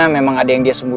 ini panggilan taru